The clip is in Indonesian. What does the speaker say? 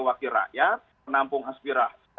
wakil rakyat penampung aspirasi